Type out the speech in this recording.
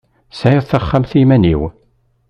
Sεiɣ taxxamt i iman-iw.